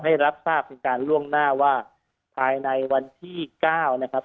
รับทราบเป็นการล่วงหน้าว่าภายในวันที่๙นะครับ